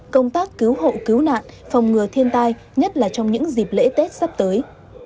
công tác cứu hộ cứu nạn phòng ngừa thiên tai nhất là trong những dịp lễ tết sắp tới